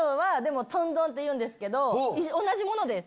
けど同じものです。